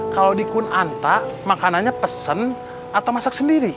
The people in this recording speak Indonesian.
kalau di kunanta makanannya pesen atau masak sendiri